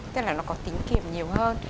tức là nó có tính kiệm nhiều hơn